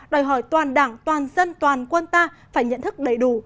đòi hỏi toàn đảng toàn dân toàn quân ta phải nhận thức đầy đủ